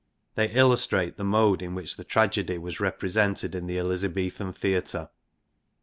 They illustrate the mode in which the tragedy was represented in the Elizabethan theatre.